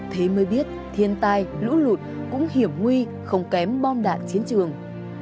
thế mới biết thiên tai lũ lụt cũng hiểm nguy không kém bom đạn chiến trường